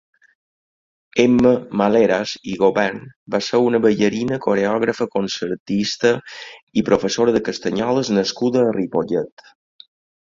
Emma Maleras i Gobern va ser una ballarina, coreògrafa, concertista i professora de castanyoles nascuda a Ripollet.